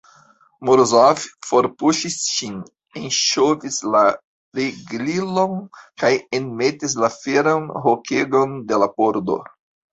Morozov forpuŝis ŝin, enŝovis la riglilon kaj enmetis la feran hokegon de la pordo.